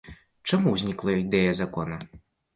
Чаму ўзнікла ідэя закона?